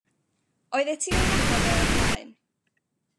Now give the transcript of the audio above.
Oddet ti'n ei nabod e o'r blaen?